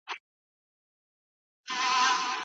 که حکومت د خلګو ساتنه ونه کړی جزيه ساقطيږي.